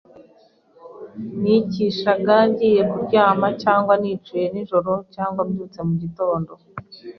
nikishaga ngiye kuryama cyangwa nicuye nijoro cyangwa mbyutse mu gitondo